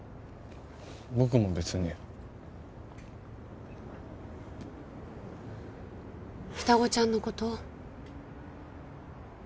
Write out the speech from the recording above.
僕も別に双子ちゃんのこと？